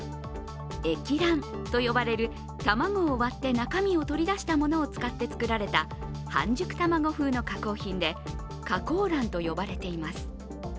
液卵と呼ばれる卵を割って中身を取り出したものを使って作られた半熟卵風の加工品で加工卵と呼ばれています。